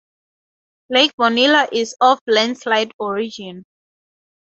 Lake Bonilla is of landslide origin.